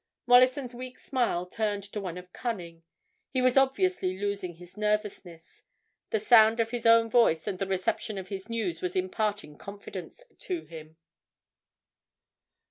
Mollison's weak smile turned to one of cunning. He was obviously losing his nervousness; the sound of his own voice and the reception of his news was imparting confidence to him.